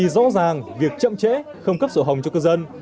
rõ ràng việc chậm trễ không cấp sổ hồng cho cư dân